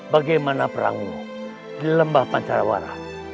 bagaimana perangmu di lembah pancarawara